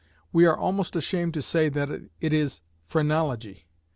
We are almost ashamed to say, that it is Phrenology!